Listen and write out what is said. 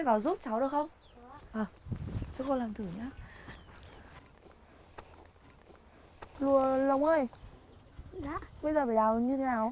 bây giờ phải làm như thế nào